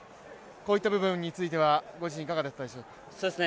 こういった部分についてはご自身いかがだったでしょうか。